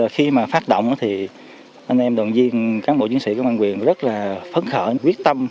khi mà phát động thì anh em đoàn viên cán bộ chiến sĩ công an quyền rất là phấn khởi quyết tâm